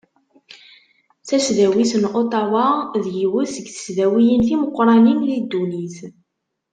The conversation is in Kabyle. Tasdawit n Uṭawa d yiwet seg tesdawiyin timeqqranin di ddunit.